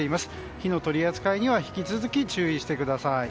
火の取り扱いには引き続き注意してください。